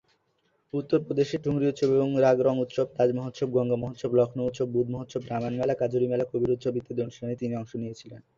উত্তর প্রদেশের ঠুংরী-উৎসব এবং রাগ-রঙ-উৎসব, তাজ-মহোৎসব, গঙ্গা-মহোৎসব, লখনউ-উৎসব, বুধ-মহোৎসব, রামায়ণ-মেলা, কাজরী-মেলা, কবীর-উৎসব ইত্যাদি অনুষ্ঠানে তিনি অংশ নিয়েছেন।